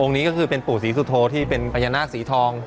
นี้ก็คือเป็นปู่ศรีสุโธที่เป็นพญานาคสีทอง